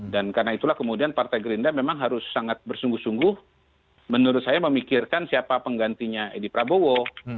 dan karena itulah kemudian partai gerindra memang harus sangat bersungguh sungguh menurut saya memikirkan siapa penggantinya edi prabowo